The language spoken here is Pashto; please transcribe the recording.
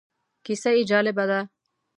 کیسه یې جالبه ده.